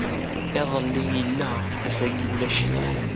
Iḍelli yella, ass-agi ulac-it.